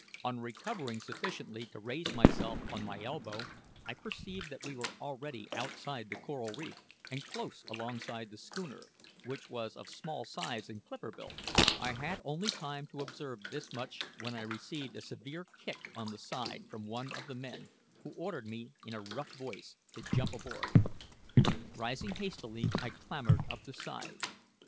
On recovering sufficiently to raise myself on my elbow, I perceived that we were already outside the coral reef and close alongside the schooner, which was of small size and clipper built. I had only time to observe this much when I received a severe kick on the side from one of the men, who ordered me, in a rough voice, to jump aboard. Rising hastily, I clambered up the side.